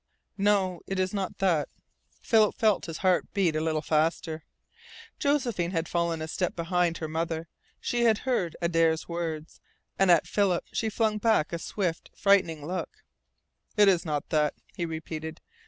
"No, it is not that," Philip felt his heart beat a little faster. Josephine had fallen a step behind her mother. She had heard Adare's words, and at Philip she flung back a swift, frightened look. "It is not that," he repeated.